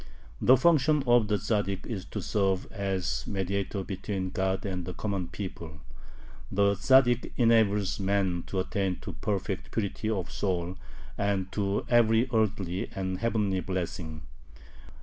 The function of the Tzaddik is to serve as mediator between God and the common people. The Tzaddik enables man to attain to perfect purity of soul and to every earthly and heavenly blessing.